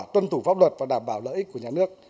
tuân thủ pháp luật và đảm bảo lợi ích của nhà nước